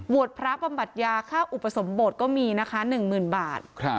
วัตรพระบำบัดยาค่าอุปสรมโบรชน์ก็มีนะคะ๑๐๐๐๐บาท